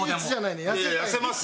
いや痩せますよ。